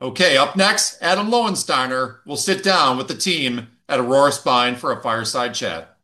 Okay, up next, Adam Lowensteiner will sit down with the team at Aurora Spine for a fireside chat.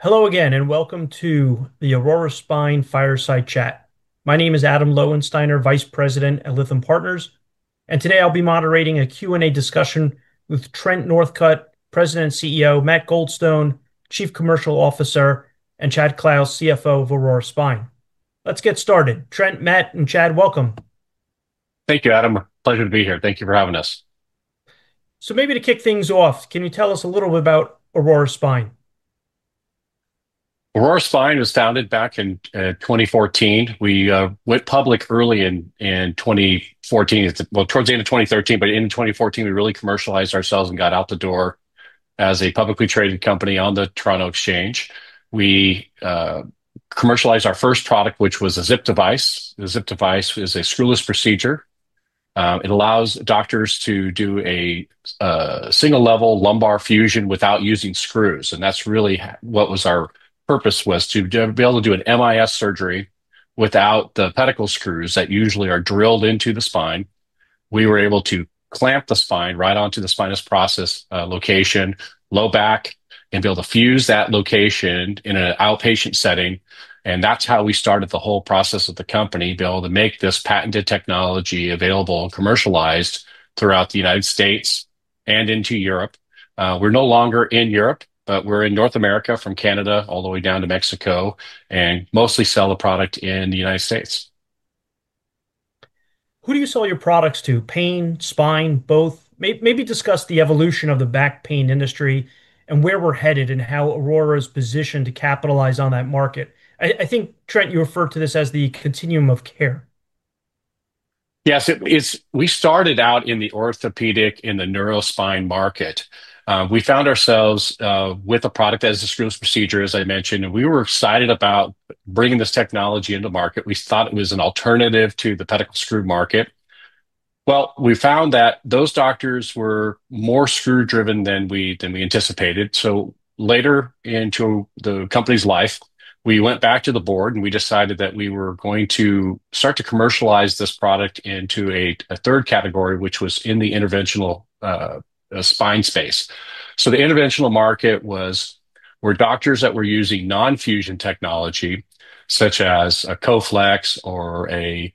Hello again, and welcome to the Aurora Spine fireside chat. My name is Adam Lowensteiner, Vice President at Lytham Partners, and today I'll be moderating a Q&A discussion with Trent Northcutt, President and CEO, Matt Goldstone, Chief Commercial Officer, and Chad Clouse, CFO of Aurora Spine. Let's get started. Trent, Matt, and Chad, welcome. Thank you, Adam. Pleasure to be here. Thank you for having us. So maybe to kick things off, can you tell us a little bit about Aurora Spine? Aurora Spine was founded back in 2014. We went public early in 2014, well, towards the end of 2013, but in 2014, we really commercialized ourselves and got out the door as a publicly traded company on the Toronto Stock Exchange. We commercialized our first product, which was a ZIP device. The ZIP device is a screwless procedure. It allows doctors to do a single-level lumbar fusion without using screws. That's really what was our purpose: to be able to do an MIS surgery without the pedicle screws that usually are drilled into the spine. We were able to clamp the spine right onto the spinous process location, low back, and be able to fuse that location in an outpatient setting. That's how we started the whole process of the company: be able to make this patented technology available and commercialized throughout the United States and into Europe. We're no longer in Europe, but we're in North America from Canada all the way down to Mexico, and mostly sell the product in the United States. Who do you sell your products to? Pain, spine, both? Maybe discuss the evolution of the back pain industry and where we're headed and how Aurora is positioned to capitalize on that market. I think, Trent, you referred to this as the continuum of care. Yes, we started out in the orthopedic and the neuro spine market. We found ourselves with a product as a screwless procedure, as I mentioned, and we were excited about bringing this technology to market. We thought it was an alternative to the pedicle screw market. Well, we found that those doctors were more screw-driven than we anticipated. So later into the company's life, we went back to the board and we decided that we were going to start to commercialize this product into a third category, which was in the interventional spine space. So the interventional market was where doctors that were using non-fusion technology, such as a Coflex or a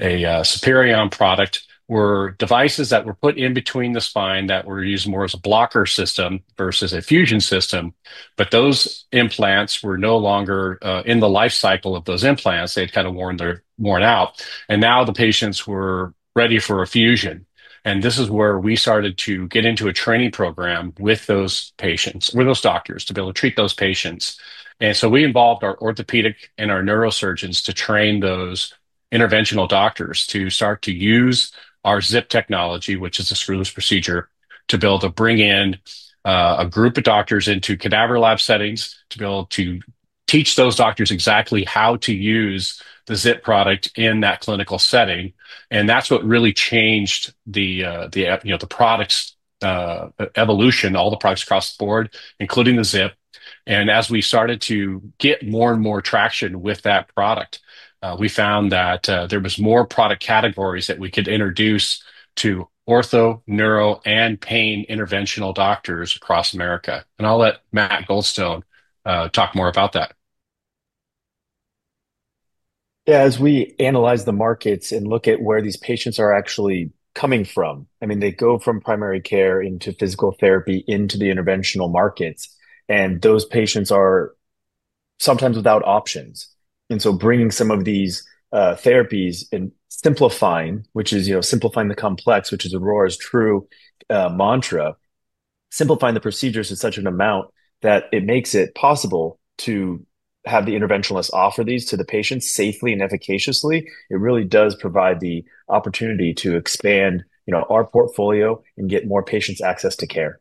Superion product, were devices that were put in between the spine that were used more as a blocker system versus a fusion system. But those implants were no longer in the life cycle of those implants. They'd kind of worn out. And now the patients were ready for a fusion. And this is where we started to get into a training program with those patients, with those doctors, to be able to treat those patients. And so we involved our orthopedic and our neurosurgeons to train those interventional doctors to start to use our Zip technology, which is a screwless procedure, to be able to bring in a group of doctors into cadaver lab settings to be able to teach those doctors exactly how to use the Zip product in that clinical setting. And that's what really changed the product's evolution, all the products across the board, including the Zip. And as we started to get more and more traction with that product, we found that there were more product categories that we could introduce to ortho, neuro, and pain interventional doctors across America. I'll let Matt Goldstone talk more about that. Yeah, as we analyze the markets and look at where these patients are actually coming from, I mean, they go from primary care into physical therapy, into the interventional markets, and those patients are sometimes without options, and so bringing some of these therapies and simplifying, which is simplifying the complex, which is Aurora's true mantra, simplifying the procedures to such an amount that it makes it possible to have the interventionalists offer these to the patients safely and efficaciously, it really does provide the opportunity to expand our portfolio and get more patients access to care.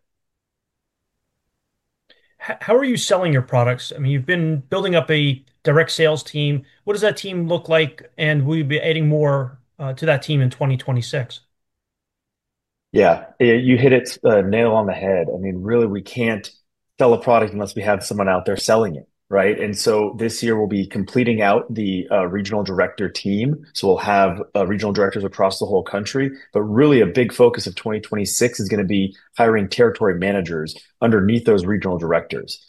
How are you selling your products? I mean, you've been building up a direct sales team. What does that team look like? And will you be adding more to that team in 2026? Yeah, you hit the nail on the head. I mean, really, we can't sell a product unless we have someone out there selling it, right? And so this year, we'll be rounding out the regional director team. So we'll have regional directors across the whole country. But really, a big focus of 2026 is going to be hiring territory managers underneath those regional directors.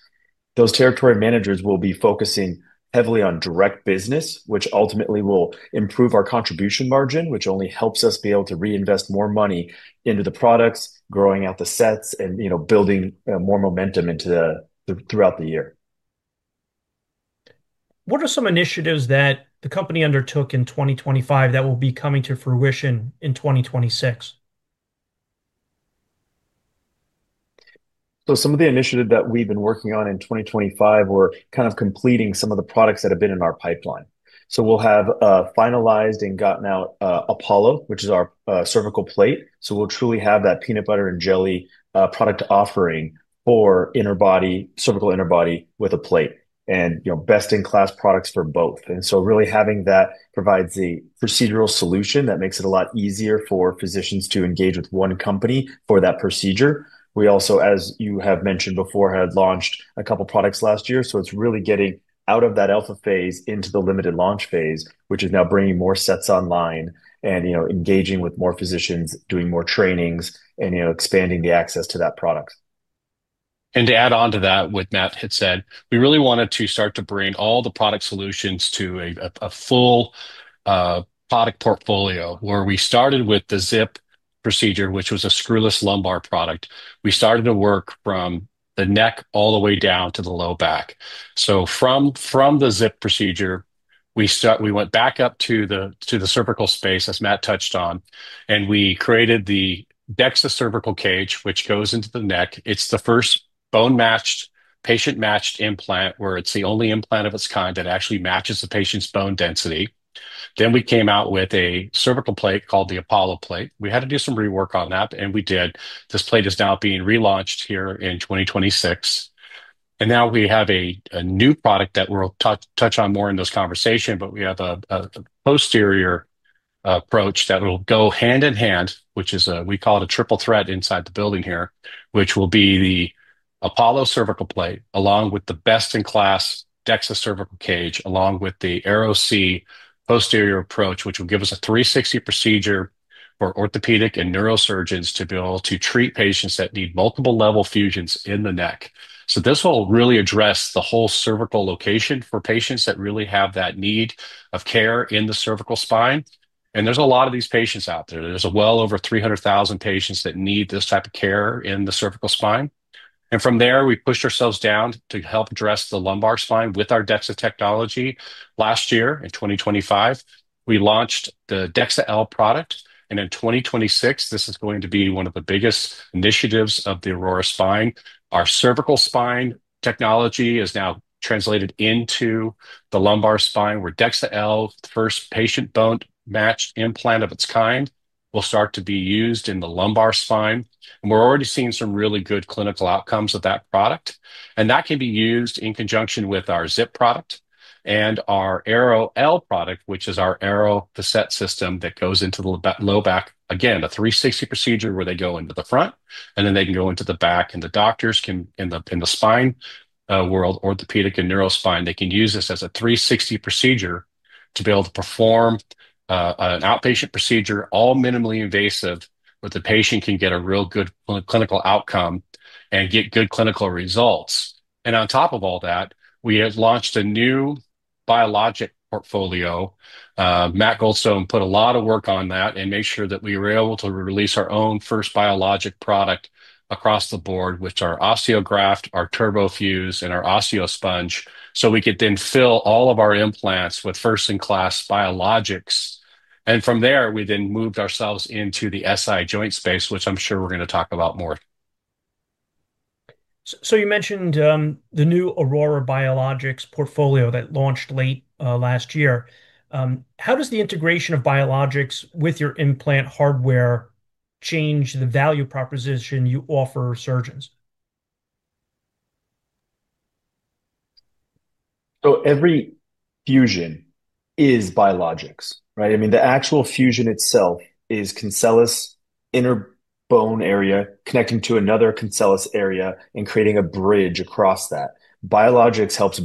Those territory managers will be focusing heavily on direct business, which ultimately will improve our contribution margin, which only helps us be able to reinvest more money into the products, growing out the sets, and building more momentum throughout the year. What are some initiatives that the company undertook in 2025 that will be coming to fruition in 2026? So some of the initiatives that we've been working on in 2025, we're kind of completing some of the products that have been in our pipeline. So we'll have finalized and gotten out Apollo, which is our cervical plate. So we'll truly have that peanut butter and jelly product offering for cervical interbody with a plate and best-in-class products for both. And so really having that provides the procedural solution that makes it a lot easier for physicians to engage with one company for that procedure. We also, as you have mentioned before, had launched a couple of products last year. So it's really getting out of that alpha phase into the limited launch phase, which is now bringing more sets online and engaging with more physicians, doing more trainings, and expanding the access to that product. To add on to that, what Matt had said, we really wanted to start to bring all the product solutions to a full product portfolio where we started with the ZIP procedure, which was a screwless lumbar product. We started to work from the neck all the way down to the low back. So from the ZIP procedure, we went back up to the cervical space, as Matt touched on, and we created the DEXA cervical cage, which goes into the neck. It's the first bone-matched, patient-matched implant where it's the only implant of its kind that actually matches the patient's bone density. Then we came out with a cervical plate called the Apollo plate. We had to do some rework on that, and we did. This plate is now being relaunched here in 2026. And now we have a new product that we'll touch on more in this conversation, but we have a posterior approach that will go hand in hand, which is we call it a triple thread inside the building here, which will be the Apollo cervical plate along with the best-in-class DEXA cervical cage along with the AERO-C posterior approach, which will give us a 360 procedure for orthopedic and neurosurgeons to be able to treat patients that need multiple-level fusions in the neck. So this will really address the whole cervical location for patients that really have that need of care in the cervical spine. And there's a lot of these patients out there. There's well over 300,000 patients that need this type of care in the cervical spine. And from there, we pushed ourselves down to help address the lumbar spine with our DEXA technology. Last year, in 2025, we launched the DEXA-L product. In 2026, this is going to be one of the biggest initiatives of the Aurora Spine. Our cervical spine technology is now translated into the lumbar spine where DEXA-L, the first patient bone-matched implant of its kind, will start to be used in the lumbar spine. We're already seeing some really good clinical outcomes with that product. That can be used in conjunction with our ZIP product and our AERO-L product, which is our AERO facet system that goes into the low back, again, a 360 procedure where they go into the front, and then they can go into the back. And the doctors in the spine world, orthopedic and neuro spine, they can use this as a 360 procedure to be able to perform an outpatient procedure, all minimally invasive, where the patient can get a real good clinical outcome and get good clinical results. And on top of all that, we have launched a new biologic portfolio. Matt Goldstone put a lot of work on that and made sure that we were able to release our own first biologic product across the board, which are OsteoGraft, our TurboFuse, and our OsteoSponge. So we could then fill all of our implants with first-in-class biologics. And from there, we then moved ourselves into the SI joint space, which I'm sure we're going to talk about more. So you mentioned the new Aurora Biologics portfolio that launched late last year. How does the integration of biologics with your implant hardware change the value proposition you offer surgeons? Every fusion is biologics, right? I mean, the actual fusion itself is cancellous inner bone area connecting to another cancellous area and creating a bridge across that. Biologics helps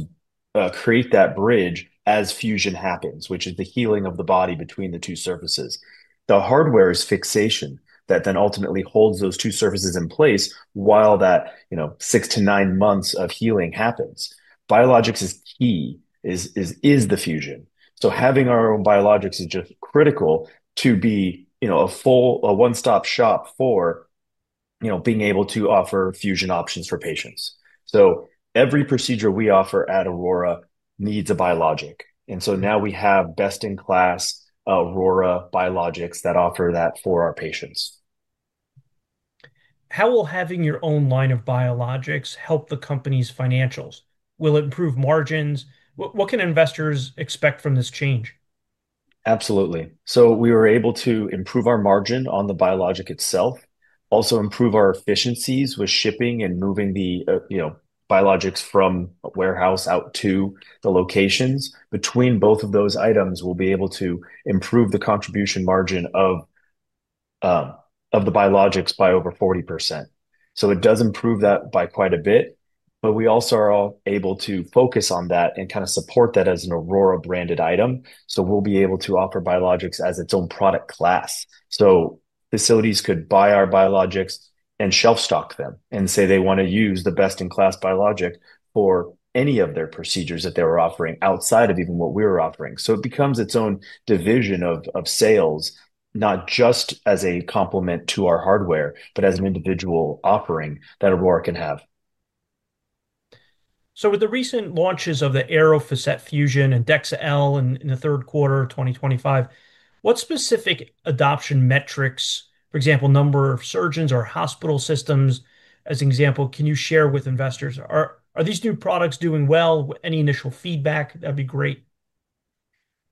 create that bridge as fusion happens, which is the healing of the body between the two surfaces. The hardware is fixation that then ultimately holds those two surfaces in place while that six to nine months of healing happens. Biologics is key to the fusion. Having our own biologics is just critical to be a full one-stop shop for being able to offer fusion options for patients. Every procedure we offer at Aurora needs a biologic. Now we have best-in-class Aurora biologics that offer that for our patients. How will having your own line of biologics help the company's financials? Will it improve margins? What can investors expect from this change? Absolutely. So we were able to improve our margin on the biologic itself, also improve our efficiencies with shipping and moving the biologics from warehouse out to the locations. Between both of those items, we'll be able to improve the contribution margin of the biologics by over 40%. So it does improve that by quite a bit. But we also are able to focus on that and kind of support that as an Aurora-branded item. So we'll be able to offer biologics as its own product class. So facilities could buy our biologics and shelf stock them and say they want to use the best-in-class biologic for any of their procedures that they were offering outside of even what we were offering. So it becomes its own division of sales, not just as a complement to our hardware, but as an individual offering that Aurora can have. So with the recent launches of the Aero Facet Fusion and DEXA-L in the third quarter of 2025, what specific adoption metrics, for example, number of surgeons or hospital systems as an example, can you share with investors? Are these new products doing well? Any initial feedback? That'd be great.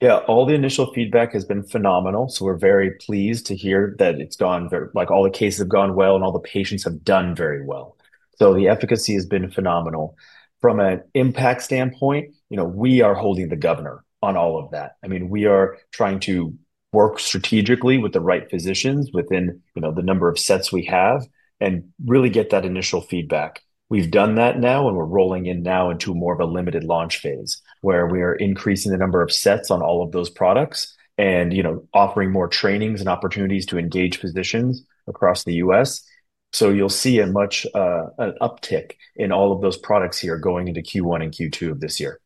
Yeah, all the initial feedback has been phenomenal. So we're very pleased to hear that it's gone very well. All the cases have gone well, and all the patients have done very well. So the efficacy has been phenomenal. From an impact standpoint, we are holding the governor on all of that. I mean, we are trying to work strategically with the right physicians within the number of sets we have and really get that initial feedback. We've done that now, and we're rolling in now into more of a limited launch phase where we are increasing the number of sets on all of those products and offering more trainings and opportunities to engage physicians across the U.S. So you'll see an uptick in all of those products here going into Q1 and Q2 of this year.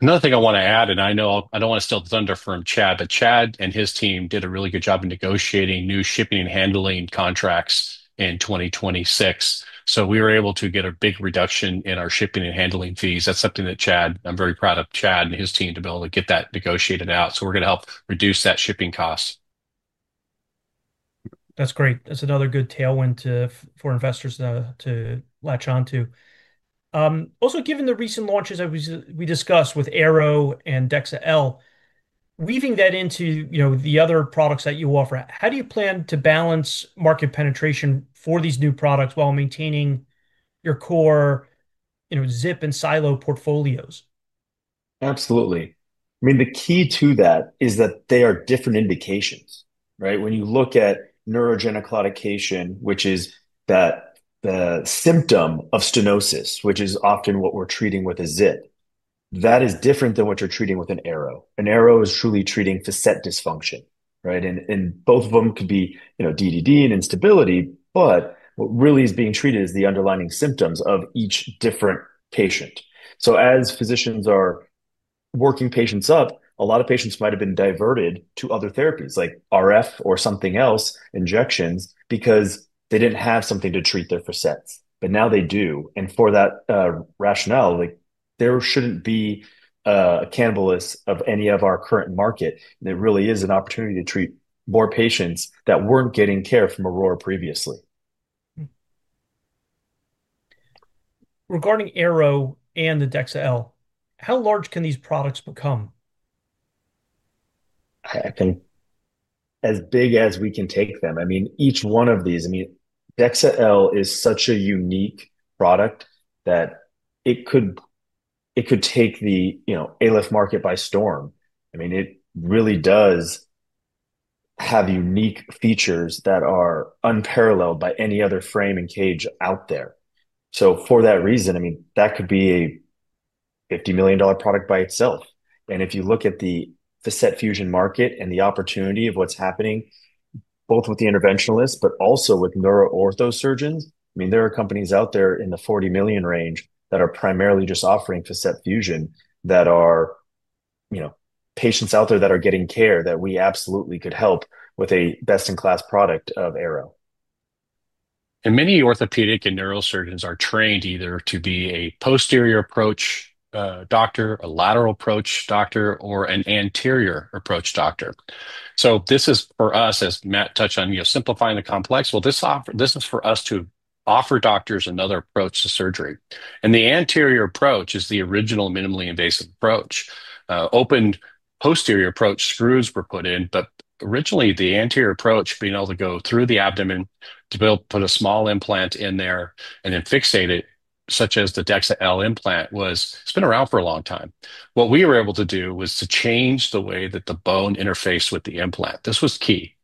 Another thing I want to add, and I don't want to steal the thunder from Chad, but Chad and his team did a really good job in negotiating new shipping and handling contracts in 2026. So we were able to get a big reduction in our shipping and handling fees. That's something that Chad. I'm very proud of Chad and his team to be able to get that negotiated out. So we're going to help reduce that shipping cost. That's great. That's another good tailwind for investors to latch onto. Also, given the recent launches we discussed with Aero and DEXA-L, weaving that into the other products that you offer, how do you plan to balance market penetration for these new products while maintaining your core Zip and Silo portfolios? Absolutely. I mean, the key to that is that they are different indications, right? When you look at neurogenic claudication, which is the symptom of stenosis, which is often what we're treating with a ZIP, that is different than what you're treating with an Aero. An Aero is truly treating facet dysfunction, right? And both of them could be DDD and instability, but what really is being treated is the underlying symptoms of each different patient. So as physicians are working patients up, a lot of patients might have been diverted to other therapies like RF or something else, injections, because they didn't have something to treat their facets. But now they do. And for that rationale, there shouldn't be a cannibalization of any of our current market. There really is an opportunity to treat more patients that weren't getting care from Aurora previously. Regarding Aero and the DEXA-L, how large can these products become? As big as we can take them. I mean, each one of these, I mean, DEXA-L is such a unique product that it could take the ALIF market by storm. I mean, it really does have unique features that are unparalleled by any other frame and cage out there. So for that reason, I mean, that could be a $50 million product by itself. And if you look at the facet fusion market and the opportunity of what's happening, both with the interventionalists, but also with neuro-orthosurgeons, I mean, there are companies out there in the $40 million range that are primarily just offering facet fusion. There are patients out there that are getting care that we absolutely could help with a best-in-class product of Aero. Many orthopedic and neurosurgeons are trained either to be a posterior approach doctor, a lateral approach doctor, or an anterior approach doctor. This is for us, as Matt touched on, simplifying the complex. This is for us to offer doctors another approach to surgery. The anterior approach is the original minimally invasive approach. Open posterior approach screws were put in, but originally the anterior approach being able to go through the abdomen to be able to put a small implant in there and then fixate it, such as the DEXA-L implant, was. It's been around for a long time. What we were able to do was to change the way that the bone interfaced with the implant. This was key.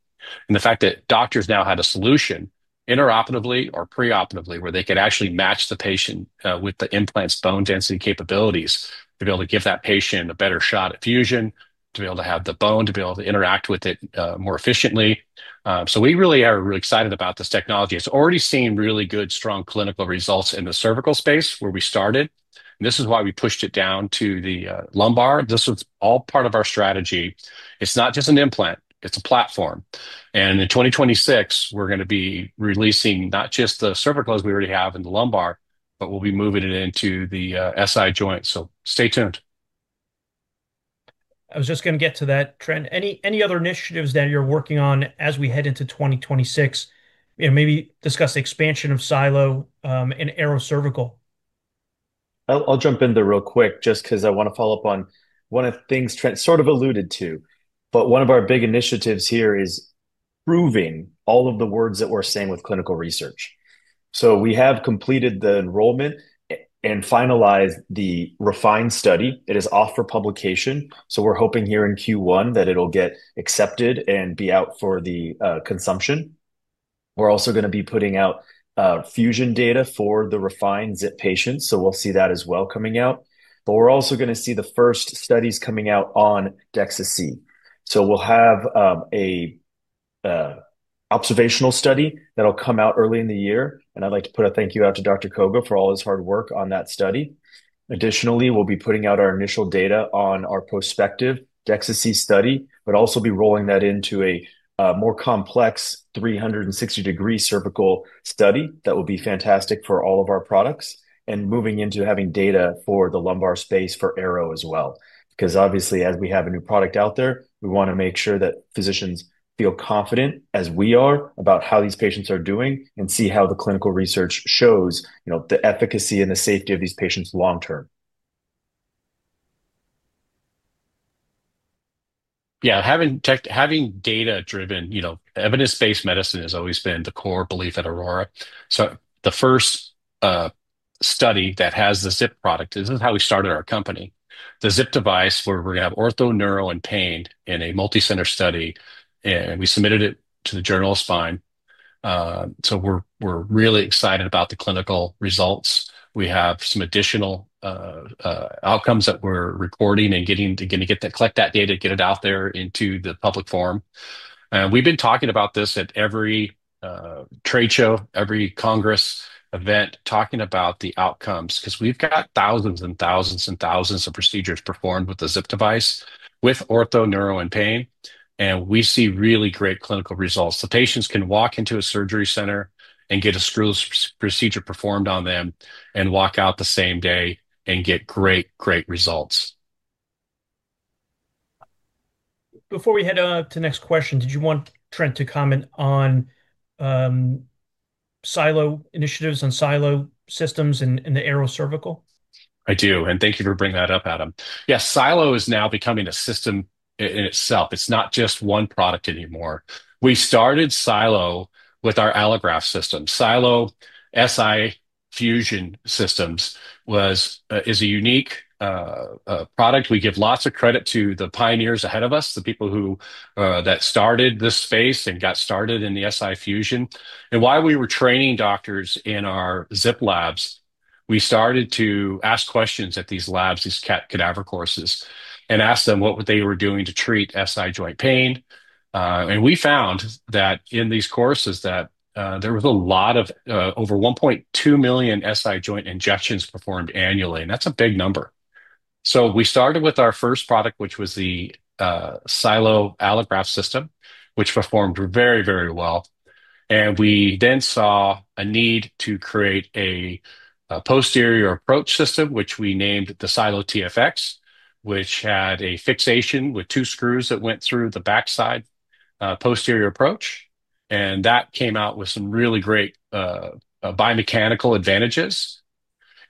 And the fact that doctors now had a solution inter-operatively or preoperatively where they could actually match the patient with the implant's bone density capabilities to be able to give that patient a better shot at fusion, to be able to have the bone, to be able to interact with it more efficiently. So we really are really excited about this technology. It's already seen really good, strong clinical results in the cervical space where we started. And this is why we pushed it down to the lumbar. This was all part of our strategy. It's not just an implant. It's a platform. And in 2026, we're going to be releasing not just the cervical as we already have in the lumbar, but we'll be moving it into the SI joint. So stay tuned. I was just going to get to that, Trent. Any other initiatives that you're working on as we head into 2026? Maybe discuss the expansion of SiLO and AERO-C. I'll jump in there real quick just because I want to follow up on one of the things Trent sort of alluded to, but one of our big initiatives here is proving all of the words that we're saying with clinical research, so we have completed the enrollment and finalized the REFINED study. It is off for publication, so we're hoping here in Q1 that it'll get accepted and be out for the consumption. We're also going to be putting out fusion data for the refined ZIP patients, so we'll see that as well coming out, but we're also going to see the first studies coming out on DEXA-C, so we'll have an observational study that'll come out early in the year, and I'd like to put a thank you out to Dr. Koga for all his hard work on that study. Additionally, we'll be putting out our initial data on our prospective DEXA-C study, but also be rolling that into a more complex 360-degree cervical study that will be fantastic for all of our products and moving into having data for the lumbar space for Aero as well. Because obviously, as we have a new product out there, we want to make sure that physicians feel confident as we are about how these patients are doing and see how the clinical research shows the efficacy and the safety of these patients long-term. Yeah, having data-driven, evidence-based medicine has always been the core belief at Aurora. So the first study that has the ZIP product, this is how we started our company. The ZIP device where we're going to have ortho-neuro and pain in a multicenter study, and we submitted it to the Journal of Spine. So we're really excited about the clinical results. We have some additional outcomes that we're recording and going to collect that data, get it out there into the public forum. And we've been talking about this at every trade show, every congress event, talking about the outcomes because we've got thousands and thousands and thousands of procedures performed with the ZIP device with ortho-neuro and pain. And we see really great clinical results. The patients can walk into a surgery center and get a screw procedure performed on them and walk out the same day and get great, great results. Before we head on to the next question, did you want Trent to comment on SiLO initiatives and SiLO systems and the AERO-C? I do. And thank you for bringing that up, Adam. Yeah, SiLO is now becoming a system in itself. It's not just one product anymore. We started SiLO with our allograft system. SiLO SI fusion systems is a unique product. We give lots of credit to the pioneers ahead of us, the people that started this space and got started in the SI fusion. And while we were training doctors in our ZIP labs, we started to ask questions at these labs, these cadaver courses, and asked them what they were doing to treat SI joint pain. And we found that in these courses that there was a lot of over 1.2 million SI joint injections performed annually. And that's a big number. So we started with our first product, which was the SiLO allograft system, which performed very, very well. And we then saw a need to create a posterior approach system, which we named the SiLO-TFX, which had a fixation with two screws that went through the backside posterior approach. And that came out with some really great biomechanical advantages.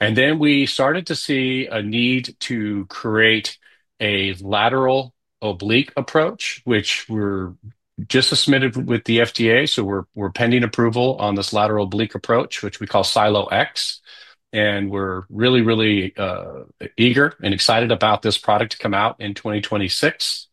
And then we started to see a need to create a lateral oblique approach, which we're just submitted with the FDA. So we're pending approval on this lateral oblique approach, which we call SiLO X. And we're really, really eager and excited about this product to come out in 2026.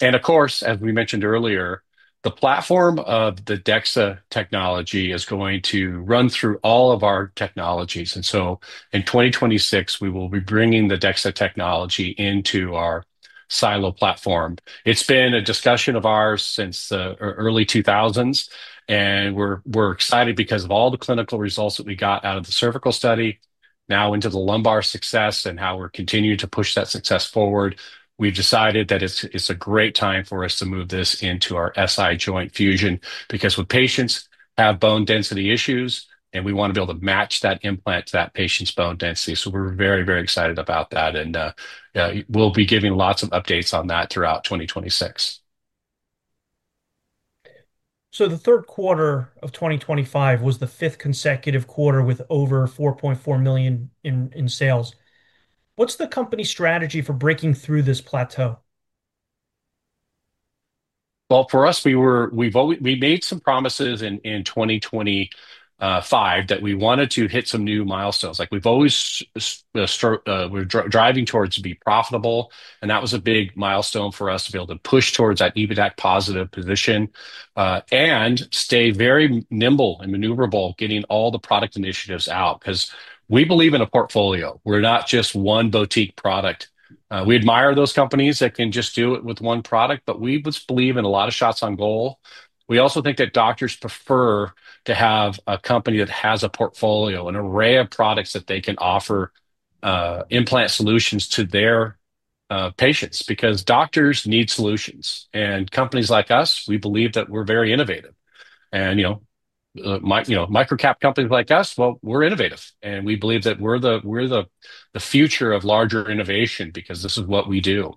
And of course, as we mentioned earlier, the platform of the DEXA technology is going to run through all of our technologies. And so in 2026, we will be bringing the DEXA technology into our SiLO platform. It's been a discussion of ours since the early 2000s. And we're excited because of all the clinical results that we got out of the cervical study, now into the lumbar success and how we're continuing to push that success forward. We've decided that it's a great time for us to move this into our SI joint fusion because when patients have bone density issues, and we want to be able to match that implant to that patient's bone density. So we're very, very excited about that. And we'll be giving lots of updates on that throughout 2026. So the third quarter of 2025 was the fifth consecutive quarter with over $4.4 million in sales. What's the company's strategy for breaking through this plateau? Well, for us, we made some promises in 2025 that we wanted to hit some new milestones. We've always been driving towards being profitable. And that was a big milestone for us to be able to push towards that EBITDA positive position and stay very nimble and maneuverable, getting all the product initiatives out because we believe in a portfolio. We're not just one boutique product. We admire those companies that can just do it with one product, but we just believe in a lot of shots on goal. We also think that doctors prefer to have a company that has a portfolio, an array of products that they can offer implant solutions to their patients because doctors need solutions. And companies like us, we believe that we're very innovative. And microcap companies like us, well, we're innovative. And we believe that we're the future of larger innovation because this is what we do.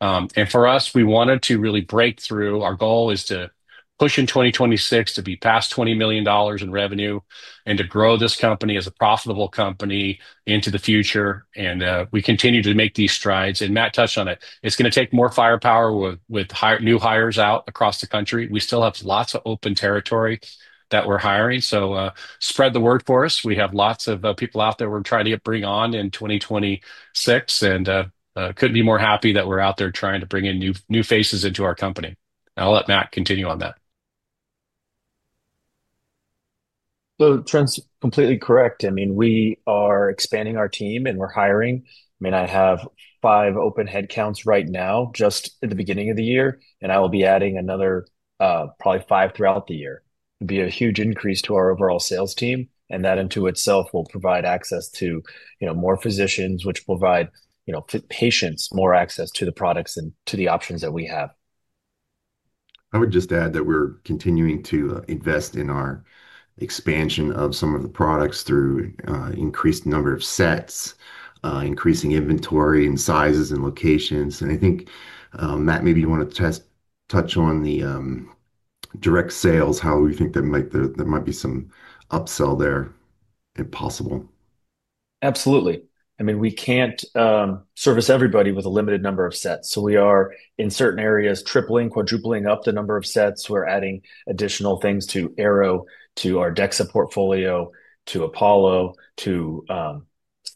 And for us, we wanted to really break through. Our goal is to push in 2026 to be past $20 million in revenue and to grow this company as a profitable company into the future. And we continue to make these strides. And Matt touched on it. It's going to take more firepower with new hires out across the country. We still have lots of open territory that we're hiring. So spread the word for us. We have lots of people out there we're trying to bring on in 2026. And couldn't be more happy that we're out there trying to bring in new faces into our company. I'll let Matt continue on that. Trent's completely correct. I mean, we are expanding our team and we're hiring. I mean, I have five open headcounts right now just at the beginning of the year. I will be adding another probably five throughout the year. It'll be a huge increase to our overall sales team. And that in itself will provide access to more physicians, which will provide patients more access to the products and to the options that we have. I would just add that we're continuing to invest in our expansion of some of the products through increased number of sets, increasing inventory and sizes and locations. And I think, Matt, maybe you want to touch on the direct sales, how we think there might be some upsell there if possible. Absolutely. I mean, we can't service everybody with a limited number of sets. So we are in certain areas tripling, quadrupling up the number of sets. We're adding additional things to Aero, to our DEXA portfolio, to Apollo, to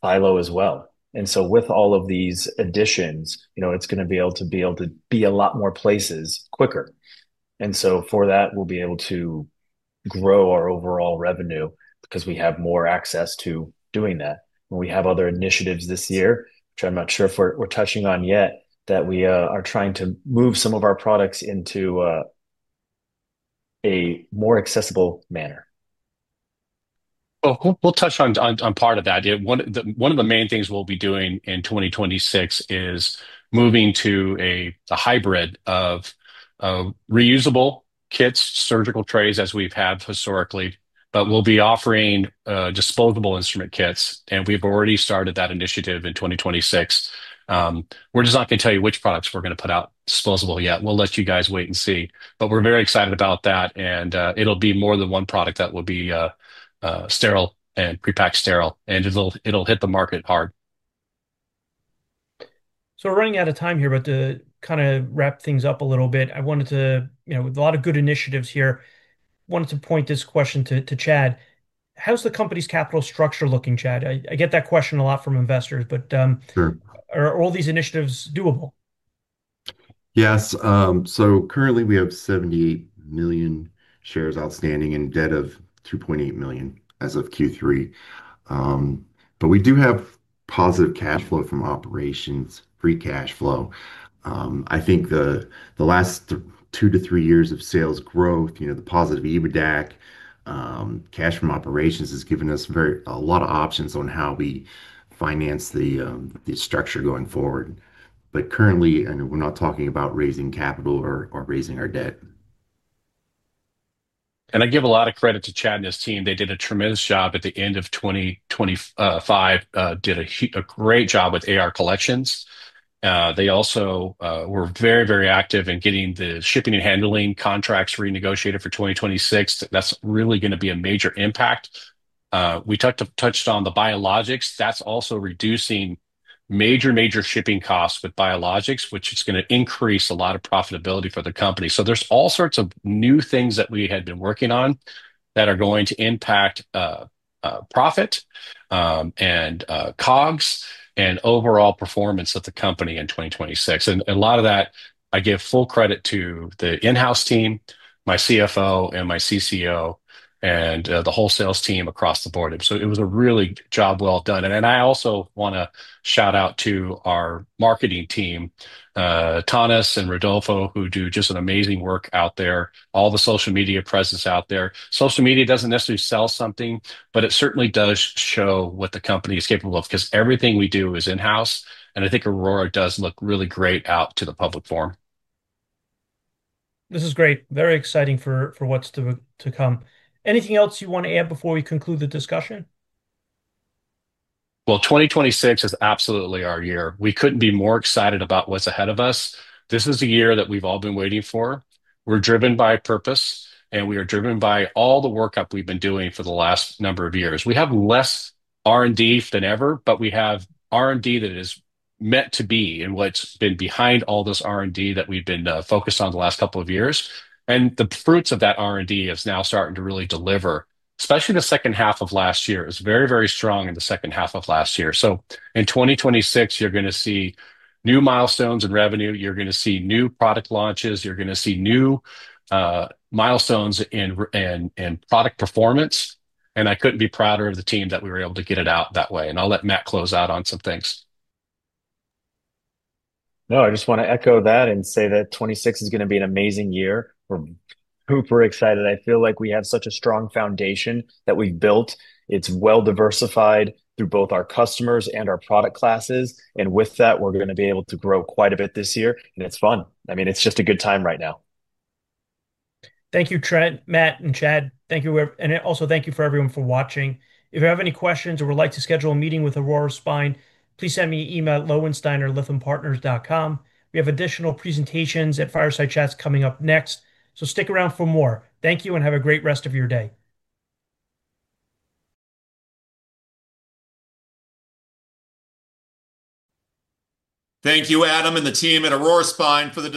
SiLO as well. And so with all of these additions, it's going to be able to be a lot more places quicker. And so for that, we'll be able to grow our overall revenue because we have more access to doing that. And we have other initiatives this year, which I'm not sure if we're touching on yet, that we are trying to move some of our products into a more accessible manner. We'll touch on part of that. One of the main things we'll be doing in 2026 is moving to a hybrid of reusable kits, surgical trays as we've had historically, but we'll be offering disposable instrument kits. We've already started that initiative in 2026. We're just not going to tell you which products we're going to put out disposable yet. We'll let you guys wait and see. We're very excited about that. It'll be more than one product that will be sterile and pre-pack sterile. It'll hit the market hard. So we're running out of time here, but to kind of wrap things up a little bit, I wanted to, with a lot of good initiatives here, wanted to point this question to Chad. How's the company's capital structure looking, Chad? I get that question a lot from investors, but are all these initiatives doable? Yes. So currently, we have 78 million shares outstanding in debt of $2.8 million as of Q3. But we do have positive cash flow from operations, free cash flow. I think the last two to three years of sales growth, the positive EBITDA, cash from operations has given us a lot of options on how we finance the structure going forward. But currently, we're not talking about raising capital or raising our debt. I give a lot of credit to Chad and his team. They did a tremendous job at the end of 2025, did a great job with AR collections. They also were very, very active in getting the shipping and handling contracts renegotiated for 2026. That's really going to be a major impact. We touched on the biologics. That's also reducing major, major shipping costs with biologics, which is going to increase a lot of profitability for the company. There's all sorts of new things that we had been working on that are going to impact profit and COGS and overall performance of the company in 2026. A lot of that, I give full credit to the in-house team, my CFO, and my CCO, and the whole sales team across the board. It was a really job well done. I also want to shout out to our marketing team, Tonies and Rodolfo, who do just an amazing work out there, all the social media presence out there. Social media doesn't necessarily sell something, but it certainly does show what the company is capable of because everything we do is in-house. I think Aurora does look really great out to the public forum. This is great. Very exciting for what's to come. Anything else you want to add before we conclude the discussion? 2026 is absolutely our year. We couldn't be more excited about what's ahead of us. This is the year that we've all been waiting for. We're driven by purpose, and we are driven by all the workup we've been doing for the last number of years. We have less R&D than ever, but we have R&D that is meant to be and what's been behind all this R&D that we've been focused on the last couple of years. The fruits of that R&D is now starting to really deliver, especially the second half of last year. It was very, very strong in the second half of last year. In 2026, you're going to see new milestones in revenue. You're going to see new product launches. You're going to see new milestones in product performance. And I couldn't be prouder of the team that we were able to get it out that way. And I'll let Matt close out on some things. No, I just want to echo that and say that 2026 is going to be an amazing year. We're super excited. I feel like we have such a strong foundation that we've built. It's well-diversified through both our customers and our product classes. And with that, we're going to be able to grow quite a bit this year. And it's fun. I mean, it's just a good time right now. Thank you, Trent, Matt, and Chad. Thank you. And also thank you to everyone for watching. If you have any questions or would like to schedule a meeting with Aurora Spine, please send me an email at lowensteiner@lythampartners.com. We have additional presentations at Fireside Chats coming up next. So stick around for more. Thank you and have a great rest of your day. Thank you, Adam and the team at Aurora Spine for the.